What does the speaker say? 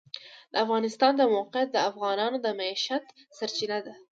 د افغانستان د موقعیت د افغانانو د معیشت سرچینه ده.